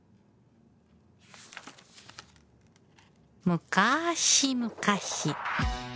むかしむかし